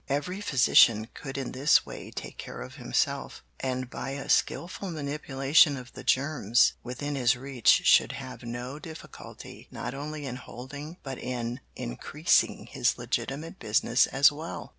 Every physician could in this way take care of himself, and by a skilful manipulation of the germs within his reach should have no difficulty not only in holding but in increasing his legitimate business as well."